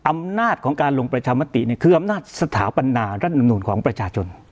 อำนาจของการลงประชามติคืออำนาจสถาปนารัฐมนุนของประชาชน